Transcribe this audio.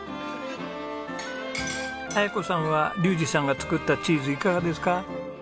あや子さんは竜士さんが作ったチーズいかがですか？